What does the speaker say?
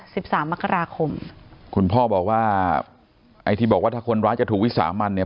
สิบสามมกราคมคุณพ่อบอกว่าไอ้ที่บอกว่าถ้าคนร้ายจะถูกวิสามันเนี่ย